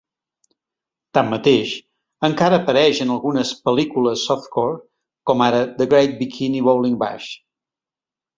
Tanmateix, encara apareix en algunes pel·lícules softcore, com ara The Great Bikini Bowling Bash.